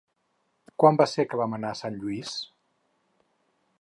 Quan va ser que vam anar a Sant Lluís?